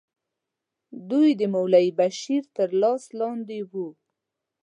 دوی د مولوي بشیر تر لاس لاندې وو.